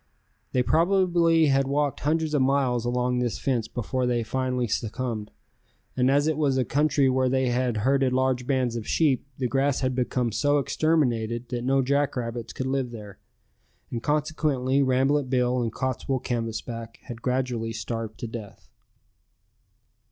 They probably had walked hundreds of miles along this fence before they finally succumbed, and as it was a country where they had herded large bands of sheep the grass had become so exterminated that no jackrabbits could live there, and consequently Rambolet Bill and Cottswool Canvasback had gradually starved to death.